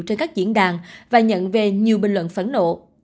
trên các diễn đàn và nhận về nhiều bình luận phẫn nộ